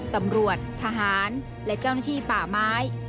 ตำรวจทหารและเจ้าหน้าที่ป่าไม้